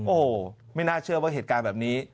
โอ้โหไม่น่าเชื่อว่าเหตุการณ์แบบนี้